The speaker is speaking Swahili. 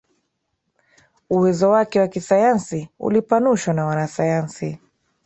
Uwezo wake wa kisayansi ulipanushwa na wanasayansi